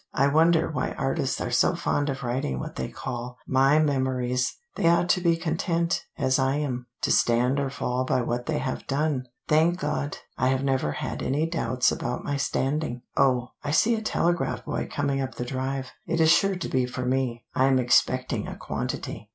I wonder why artists are so fond of writing what they call 'My Memories'; they ought to be content, as I am, to stand or fall by what they have done. Thank God, I have never had any doubts about my standing. Oh, I see a telegraph boy coming up the drive. It is sure to be for me. I am expecting a quantity."